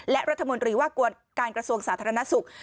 และรัฐมนตรีว่าการกระทรวงสาธารณสุข